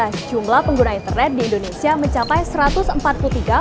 karena tingkat penetrasi pengguna internet dari tahun ke tahun semakin meningkat